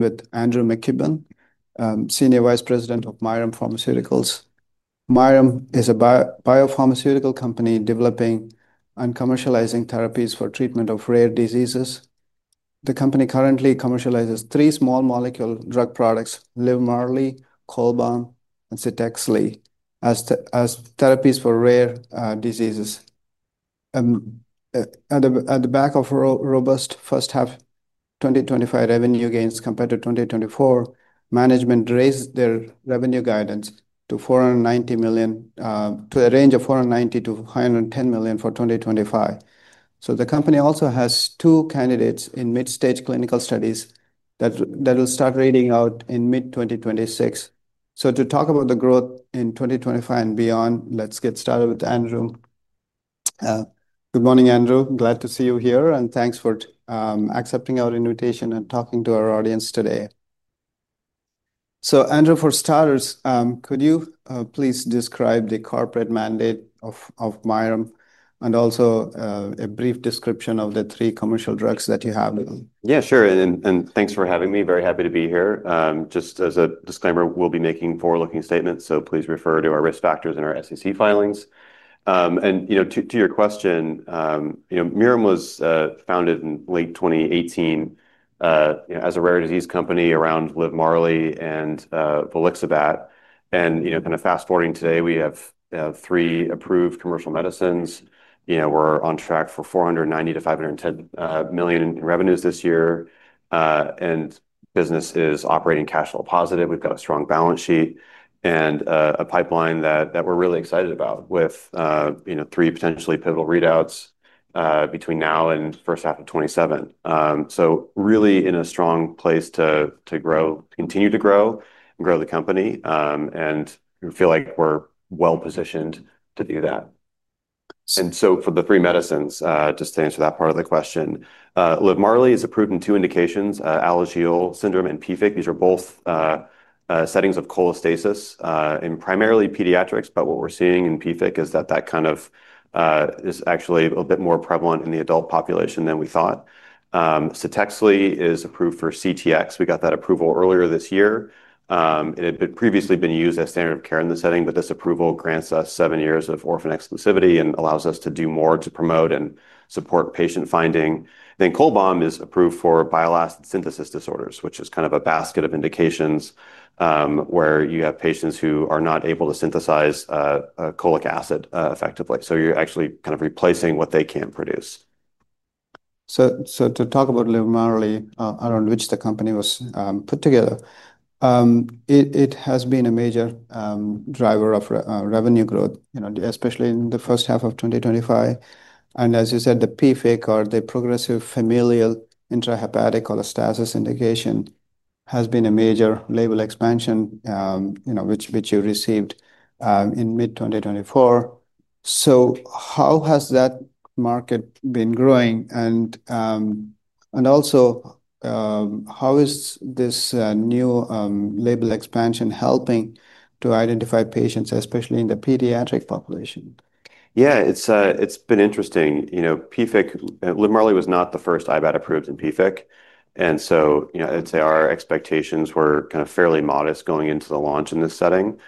With Andrew McKibben, Senior Vice President of Mirum Pharmaceuticals. Mirum is a biopharmaceutical company developing and commercializing therapies for the treatment of rare diseases. The company currently commercializes three small molecule drug products: LIVMARLI, CHOLBAM, and CTEXLI as therapies for rare diseases. At the back of robust first half 2025 revenue gains compared to 2024, management raised their revenue guidance to a range of $490 million-$510 million for 2025. The company also has two candidates in mid-stage clinical studies that will start reading out in mid-2026. To talk about the growth in 2025 and beyond, let's get started with Andrew. Good morning, Andrew. Glad to see you here, and thanks for accepting our invitation and talking to our audience today. Andrew, for starters, could you please describe the corporate mandate of Mirum and also a brief description of the three commercial drugs that you have? Yeah, sure, and thanks for having me. Very happy to be here. Just as a disclaimer, we'll be making forward-looking statements, so please refer to our risk factors and our SEC filings. To your question, Mirum was founded in late 2018 as a rare disease company around LIVMARLI and volixibat. Fast-forwarding to today, we have three approved commercial medicines. We're on track for $490 million-$510 million in revenues this year, and the business is operating cash flow positive. We've got a strong balance sheet and a pipeline that we're really excited about with three potentially pivotal readouts between now and the first half of 2027. We're really in a strong place to grow, continue to grow, and grow the company, and we feel like we're well positioned to do that. For the three medicines, just to answer that part of the question, LIVMARLI is approved in two indications: Alagille syndrome and PFIC. These are both settings of cholestasis in primarily pediatrics, but what we're seeing in PFIC is that that kind of is actually a little bit more prevalent in the adult population than we thought. CTEXLI is approved for CTX. We got that approval earlier this year. It had previously been used as standard of care in the setting, but this approval grants us seven years of orphan exclusivity and allows us to do more to promote and support patient finding. Then CHOLBAM is approved for bile acid synthesis disorders, which is kind of a basket of indications where you have patients who are not able to synthesize cholic acid effectively. You're actually kind of replacing what they can produce. To talk about LIVMARLI, around which the company was put together, it has been a major driver of revenue growth, especially in the first half of 2025. As you said, the PFIC, or the progressive familial intrahepatic cholestasis indication, has been a major label expansion, which you received in mid-2024. How has that market been growing? Also, how is this new label expansion helping to identify patients, especially in the pediatric population? Yeah, it's been interesting. You know, LIVMARLI was not the first IBAT approved in PFIC, and I'd say our expectations were kind of fairly modest going into the launch in this setting.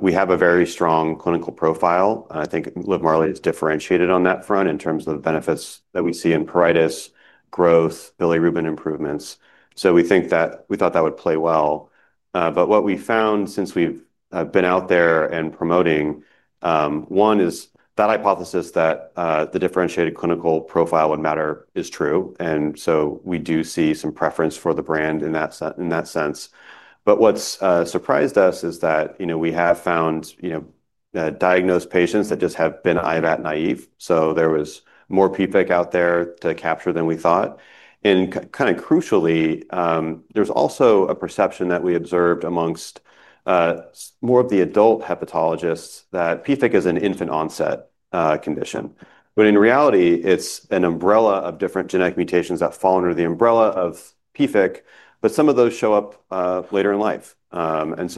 We have a very strong clinical profile. I think LIVMARLI is differentiated on that front in terms of the benefits that we see in pruritus, growth, bilirubin improvements. We think that we thought that would play well. What we found since we've been out there and promoting, one is that hypothesis that the differentiated clinical profile and matter is true. We do see some preference for the brand in that sense. What's surprised us is that we have found diagnosed patients that just have been IBAT naive. There was more PFIC out there to capture than we thought. Crucially, there's also a perception that we observed amongst more of the adult hepatologists that PFIC is an infant-onset condition. In reality, it's an umbrella of different genetic mutations that fall under the umbrella of PFIC, but some of those show up later in life.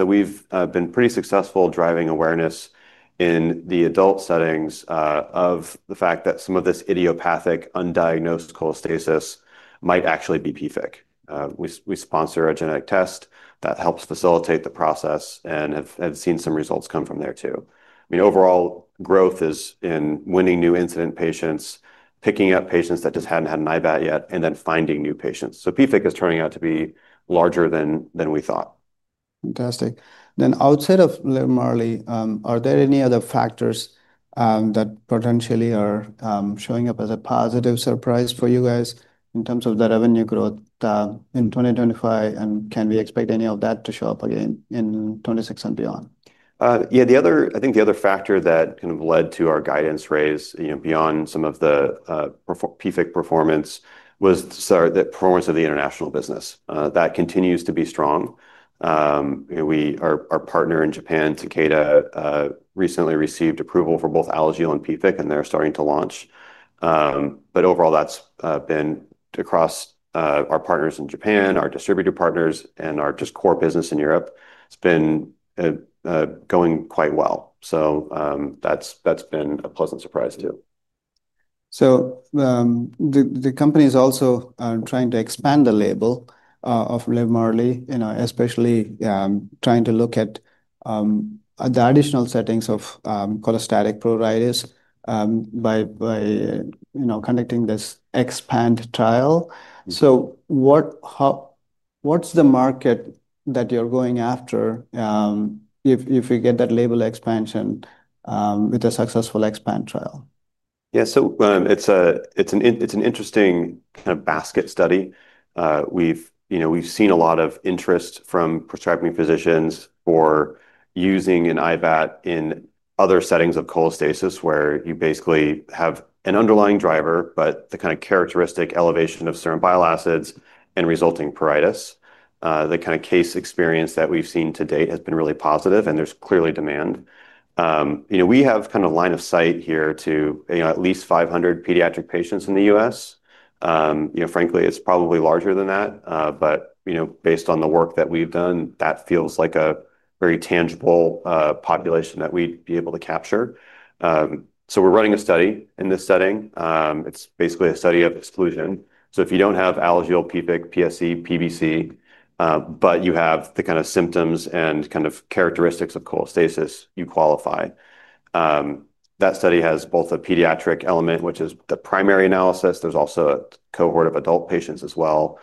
We've been pretty successful driving awareness in the adult settings of the fact that some of this idiopathic undiagnosed cholestasis might actually be PFIC. We sponsor a genetic test that helps facilitate the process and have seen some results come from there too. Overall growth is in winning new incident patients, picking up patients that just hadn't had an IBAT yet, and then finding new patients. PFIC is turning out to be larger than we thought. Fantastic. Outside of LIVMARLI, are there any other factors that potentially are showing up as a positive surprise for you guys in terms of the revenue growth in 2025? Can we expect any of that to show up again in 2026 and beyond? Yeah, the other factor that kind of led to our guidance raise, beyond some of the PFIC performance, was the performance of the international business. That continues to be strong. Our partner in Japan, Takeda, recently received approval for both Alagille and PFIC, and they're starting to launch. Overall, that's been across our partners in Japan, our distributor partners, and our core business in Europe. It's been going quite well. That's been a pleasant surprise too. The company is also trying to expand the label of LIVMARLI, especially trying to look at the additional settings of cholestatic pruritus by conducting this EXPAND trial. What's the market that you're going after if we get that label expansion with a successful EXPAND trial? Yeah, so it's an interesting kind of basket study. We've seen a lot of interest from prescribing physicians for using an IBAT in other settings of cholestasis where you basically have an underlying driver, but the kind of characteristic elevation of certain bile acids and resulting pruritus. The kind of case experience that we've seen to date has been really positive, and there's clearly demand. We have kind of a line of sight here to at least 500 pediatric patients in the U.S. Frankly, it's probably larger than that, but based on the work that we've done, that feels like a very tangible population that we'd be able to capture. We're running a study in this setting. It's basically a study of exclusion. If you don't have Alagille, PFIC, PSC, PBC, but you have the kind of symptoms and kind of characteristics of cholestasis, you qualify. That study has both a pediatric element, which is the primary analysis. There's also a cohort of adult patients as well.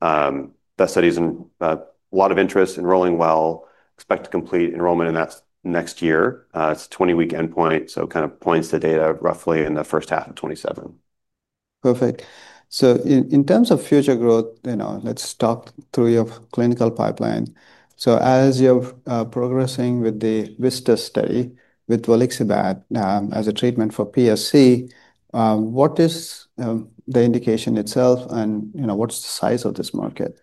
That study is in a lot of interest and enrolling well. Expect to complete enrollment in that next year. It's a 20-week endpoint, so it points to data roughly in the first half of 2027. Perfect. In terms of future growth, let's talk through your clinical pipeline. As you're progressing with the VISTAS study with volixibat as a treatment for PSC, what is the indication itself, and what's the size of this market?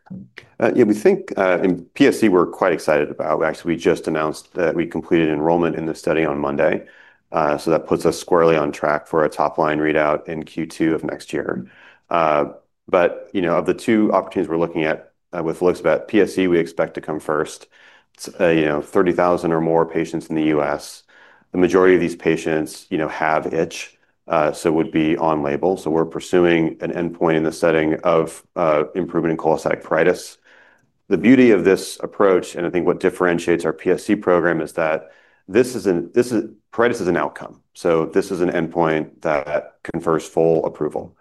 Yeah, we think in PSC, we're quite excited about it. We just announced that we completed enrollment in the study on Monday. That puts us squarely on track for a top-line readout in Q2 of next year. Of the two opportunities we're looking at with volixibat, PSC we expect to come first. It's 30,000 or more patients in the U.S. The majority of these patients have itch, so it would be on label. We're pursuing an endpoint in the setting of improvement in cholestatic pruritus. The beauty of this approach, and I think what differentiates our PSC program, is that this is pruritus as an outcome. This is an endpoint that confers full approval,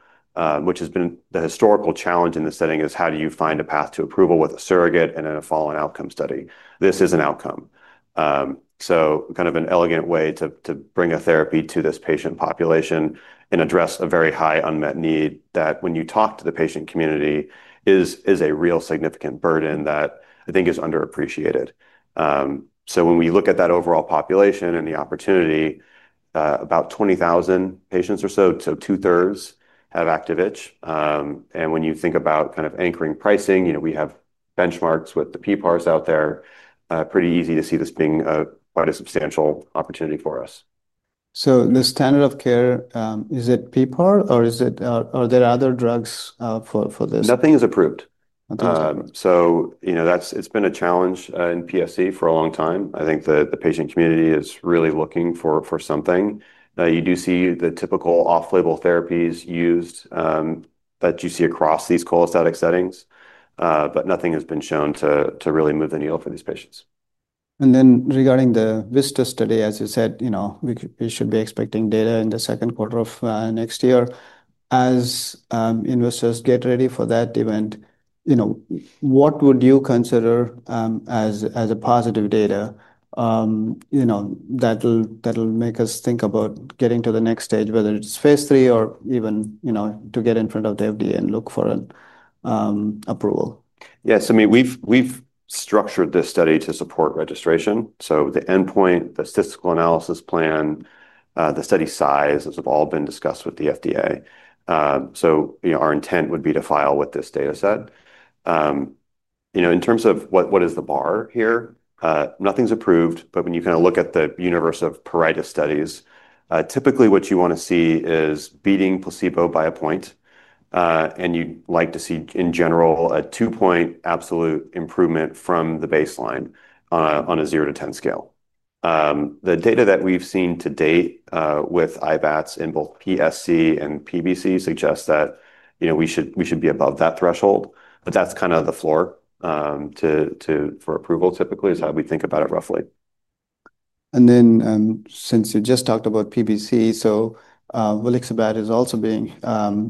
which has been the historical challenge in this setting: how do you find a path to approval with a surrogate and in a fallen outcome study? This is an outcome. It's kind of an elegant way to bring a therapy to this patient population and address a very high unmet need that, when you talk to the patient community, is a real significant burden that I think is underappreciated. When we look at that overall population and the opportunity, about 20,000 patients or so, so 2/3 have active itch. When you think about anchoring pricing, we have benchmarks with the PPARs out there. Pretty easy to see this being quite a substantial opportunity for us. Is the standard of care PPAR or are there other drugs for this? Nothing is approved. Okay. It has been a challenge in PSC for a long time. I think the patient community is really looking for something. You do see the typical off-label therapies used that you see across these cholestatic settings, but nothing has been shown to really move the needle for these patients. Regarding the VISTAS study, as you said, we should be expecting data in the second quarter of next year. As investors get ready for that event, what would you consider as positive data? That'll make us think about getting to the next stage, whether it's phase III or even to get in front of the FDA and look for an approval. Yeah, I mean, we've structured this study to support registration. The endpoint, the statistical analysis plan, the study size has all been discussed with the FDA. Our intent would be to file with this data set. In terms of what is the bar here, nothing's approved, but when you kind of look at the universe of pruritus studies, typically what you want to see is beating placebo by a point. You'd like to see, in general, a 2-point absolute improvement from the baseline on a 0-10 scale. The data that we've seen to date with IBATs in both PSC and PBC suggests that we should be above that threshold. That's kind of the floor for approval typically is how we think about it roughly. Since you just talked about PBC, volixibat is also being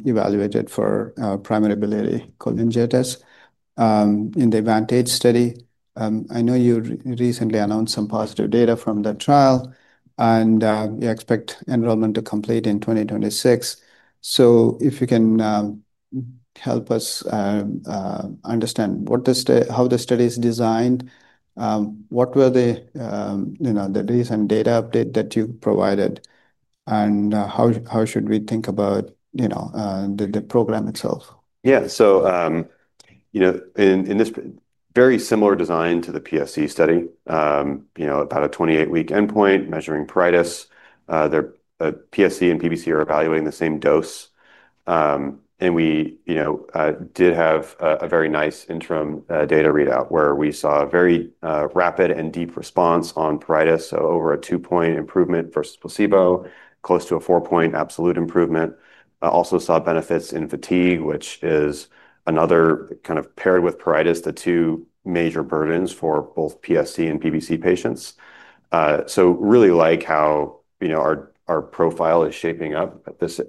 evaluated for primary biliary cholangitis. In the VANTAGE study, I know you recently announced some positive data from that trial and you expect enrollment to complete in 2026. If you can help us understand how the study is designed, what were the recent data updates that you provided, and how should we think about the program itself? Yeah, so, in this very similar design to the PSC study, about a 28-week endpoint measuring pruritus, PSC and PBC are evaluating the same dose. We did have a very nice interim data readout where we saw a very rapid and deep response on pruritus, so over a 2-point improvement versus placebo, close to a 4-point absolute improvement. Also saw benefits in fatigue, which is another kind of paired with pruritus, the two major burdens for both PSC and PBC patients. Really like how our profile is shaping up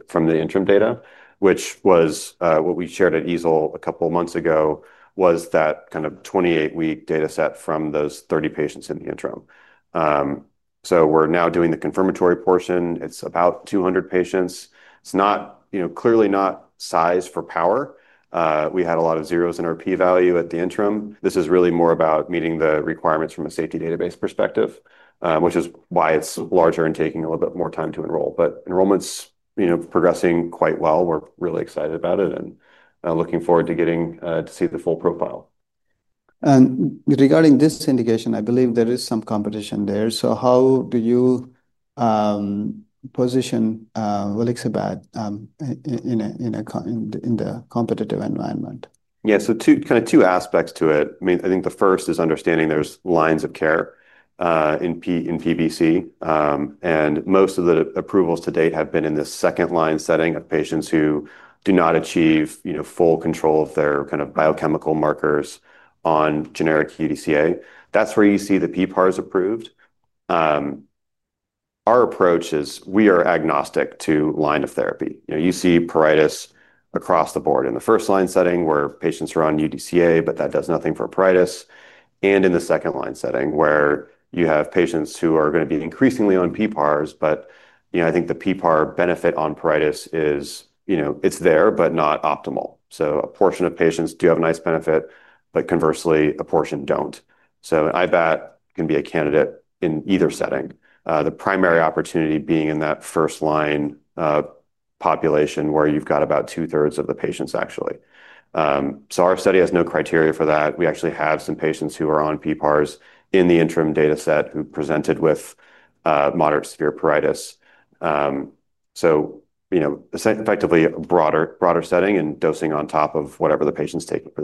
from the interim data, which was what we shared at EASL a couple of months ago, that kind of 28-week data set from those 30 patients in the interim. We're now doing the confirmatory portion. It's about 200 patients. It's not clearly not sized for power. We had a lot of zeros in our P-value at the interim. This is really more about meeting the requirements from a safety database perspective, which is why it's larger and taking a little bit more time to enroll. Enrollment's progressing quite well. We're really excited about it and looking forward to getting to see the full profile. Regarding this indication, I believe there is some competition there. How do you position volixibat in the competitive environment? Yeah, so kind of two aspects to it. I mean, I think the first is understanding there's lines of care in PBC, and most of the approvals to date have been in the second-line setting of patients who do not achieve, you know, full control of their kind of biochemical markers on generic UDCA. That's where you see the PPARs approved. Our approach is we are agnostic to line of therapy. You know, you see pruritus across the board in the first-line setting where patients are on UDCA, but that does nothing for pruritus. In the second-line setting where you have patients who are going to be increasingly on PPARs, I think the PPAR benefit on pruritus is, you know, it's there, but not optimal. A portion of patients do have a nice benefit, but conversely, a portion don't. An IBAT can be a candidate in either setting, the primary opportunity being in that first-line population where you've got about 2/3 of the patients actually. Our study has no criteria for that. We actually have some patients who are on PPARs in the interim data set who presented with moderate to severe pruritus. Effectively, a broader setting and dosing on top of whatever the patient's taking for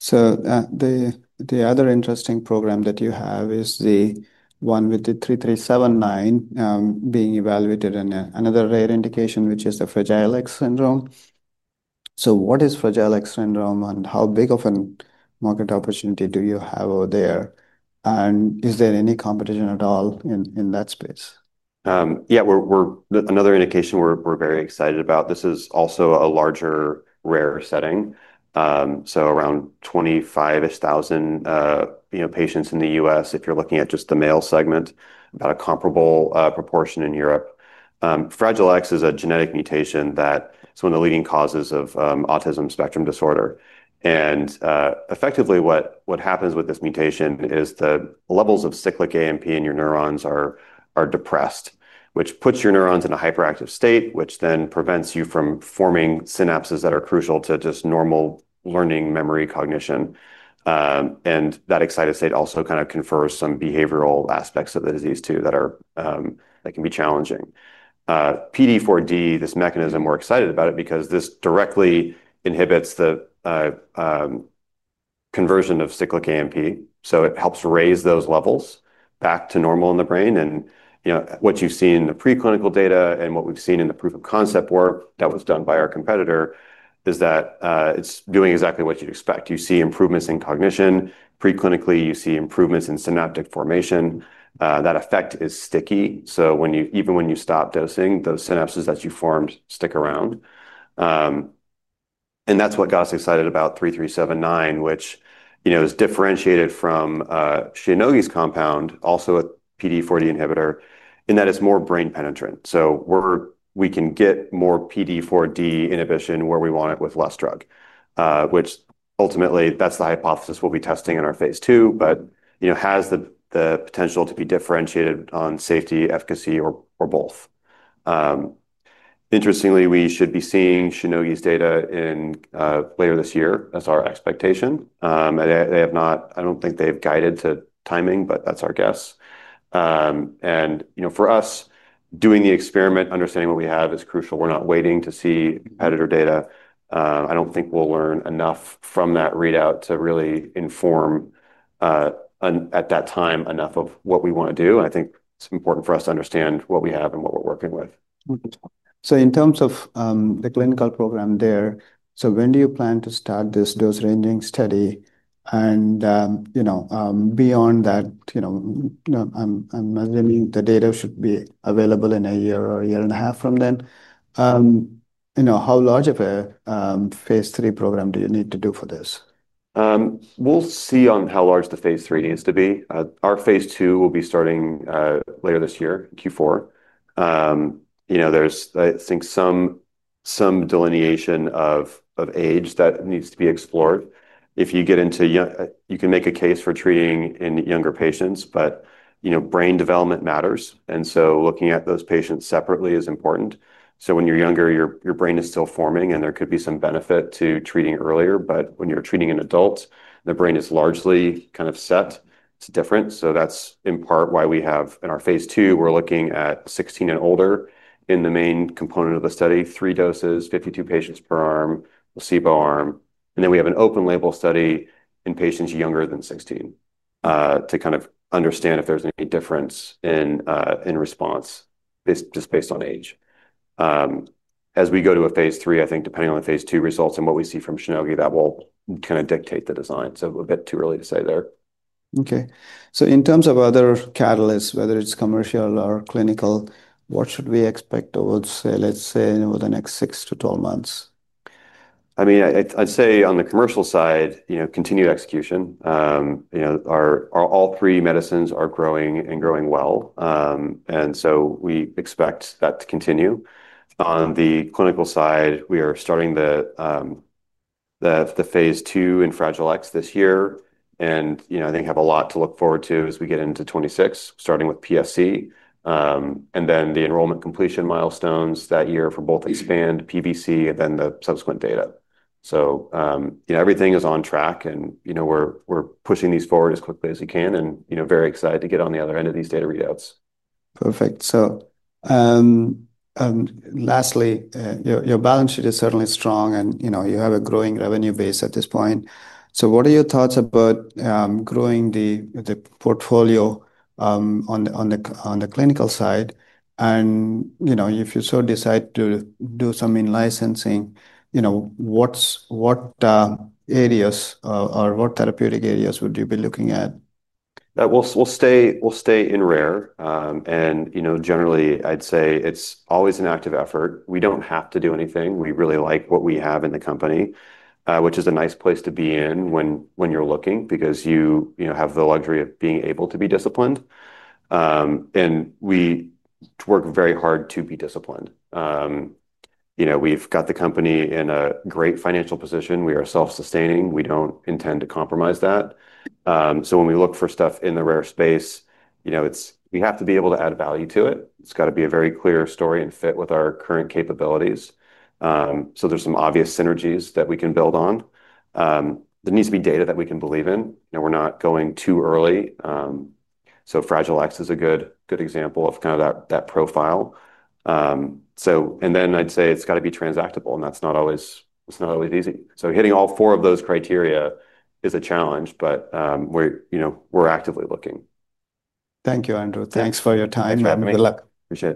those doses. The other interesting program that you have is the one with the 3379 being evaluated in another rare indication, which is Fragile X syndrome. What is Fragile X syndrome and how big of a market opportunity do you have over there? Is there any competition at all in that space? Yeah, we're another indication we're very excited about. This is also a larger rare setting. Around 25,000 patients in the U.S., if you're looking at just the male segment, about a comparable proportion in Europe. Fragile X is a genetic mutation that is one of the leading causes of autism spectrum disorder. Effectively, what happens with this mutation is the levels of cyclic AMP in your neurons are depressed, which puts your neurons in a hyperactive state, which then prevents you from forming synapses that are crucial to just normal learning, memory, cognition. That excited state also kind of confers some behavioral aspects of the disease too that can be challenging. PDE4D, this mechanism, we're excited about it because this directly inhibits the conversion of cyclic AMP. It helps raise those levels back to normal in the brain. What you've seen in the preclinical data and what we've seen in the proof of concept work that was done by our competitor is that it's doing exactly what you'd expect. You see improvements in cognition preclinically. You see improvements in synaptic formation. That effect is sticky. Even when you stop dosing, those synapses that you formed stick around. That's what got us excited about 3379, which is differentiated from Shionogi's compound, also a PDE4D inhibitor, in that it's more brain penetrant. We can get more PDE4D inhibition where we want it with less drug, which ultimately, that's the hypothesis we'll be testing in our phase II, but has the potential to be differentiated on safety, efficacy, or both. Interestingly, we should be seeing Shionogi's data in later this year. That's our expectation. They have not, I don't think they've guided to timing, but that's our guess. For us, doing the experiment, understanding what we have is crucial. We're not waiting to see competitor data. I don't think we'll learn enough from that readout to really inform at that time enough of what we want to do. I think it's important for us to understand what we have and what we're working with. In terms of the clinical program there, when do you plan to start this dose-ranging study? Beyond that, I'm imagining the data should be available in a year or a year and a half from then. How large of a phase III program do you need to do for this? We'll see on how large the phase III needs to be. Our phase II will be starting later this year, Q4. There's, I think, some delineation of age that needs to be explored. If you get into, you can make a case for treating in younger patients, but brain development matters. Looking at those patients separately is important. When you're younger, your brain is still forming and there could be some benefit to treating earlier. When you're treating an adult and the brain is largely kind of set, it's different. That's in part why we have, in our phase II, we're looking at 16 and older in the main component of the study, three doses, 52 patients per arm, placebo arm. We have an open label study in patients younger than 16 to kind of understand if there's any difference in response just based on age. As we go to a phase III, I think depending on the phase II results and what we see from Shionogi, that will kind of dictate the design. It's a bit too early to say there. In terms of other catalysts, whether it's commercial or clinical, what should we expect towards, let's say, over the next 6-12 months? I'd say on the commercial side, continued execution. All three medicines are growing and growing well, and we expect that to continue. On the clinical side, we are starting the phase II in Fragile X this year, and I think have a lot to look forward to as we get into 2026, starting with PSC. The enrollment completion milestones that year for both the EXPAND PBC and then the subsequent data. Everything is on track, and we're pushing these forward as quickly as we can and very excited to get on the other end of these data readouts. Perfect. Lastly, your balance sheet is certainly strong and, you know, you have a growing revenue base at this point. What are your thoughts about growing the portfolio on the clinical side? If you so decide to do some in-licensing, you know, what areas or what therapeutic areas would you be looking at? We'll stay in rare. Generally, I'd say it's always an active effort. We don't have to do anything. We really like what we have in the company, which is a nice place to be in when you're looking because you have the luxury of being able to be disciplined. We work very hard to be disciplined. We've got the company in a great financial position. We are self-sustaining. We don't intend to compromise that. When we look for stuff in the rare space, we have to be able to add value to it. It's got to be a very clear story and fit with our current capabilities. There are some obvious synergies that we can build on. There needs to be data that we can believe in. We're not going too early. Fragile X is a good example of kind of that profile. I'd say it's got to be transactable and that's not always easy. Hitting all four of those criteria is a challenge, but we're actively looking. Thank you, Andrew. Thanks for your time and good luck. Appreciate it.